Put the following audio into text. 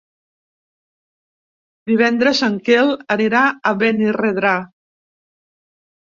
Divendres en Quel anirà a Benirredrà.